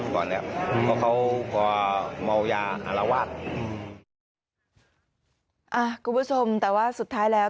คุณผู้ชมแต่ว่าสุดท้ายแล้ว